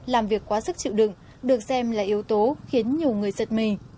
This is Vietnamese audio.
làm việc quá sức chịu đựng được xem là yếu tố khiến nhiều người giật mình